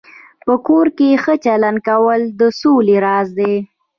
په کور کې ښه چلند کول د سولې راز دی.